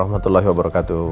assalamualaikum wr wb